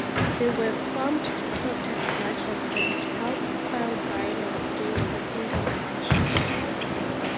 They were formed to protect marchers and help quell violence during the Freedom Marches.